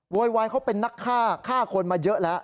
โวยวายเขาเป็นนักฆ่าฆ่าคนมาเยอะแล้ว